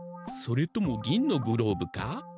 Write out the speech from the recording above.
それとも銀のグローブか？